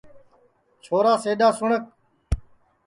چھورا سِڈؔا سُنٚٹؔک